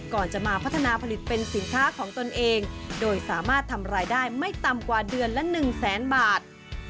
ก่อนจะมาพัฒนาผลิตเป็นสินค้าของตนเองโดยสามารถทำรายได้ไม่ต่ำกว่าเดือนละ๑แสนบาท